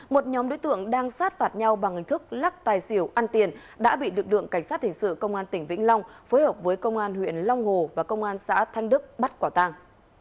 một nhóm đối tượng đang sát phạt nhau bằng hình thức lắc tài xỉu ăn tiền đã bị lực lượng cảnh sát hình sự công an tỉnh vĩnh long phối hợp với công an huyện long hồ và công an xã thanh đức bắt quả tàng